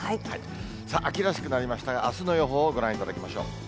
さあ、秋らしくなりましたが、あすの予報をご覧いただきましょう。